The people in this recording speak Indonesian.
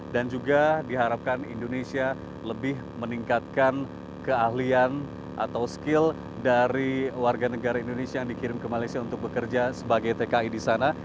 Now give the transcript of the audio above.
juga diharapkan indonesia lebih meningkatkan keahlian atau skill dari warga negara indonesia yang dikirim ke malaysia untuk bekerja sebagai tki di sana